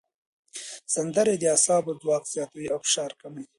سندرې د اعصابو ځواک زیاتوي او فشار کموي.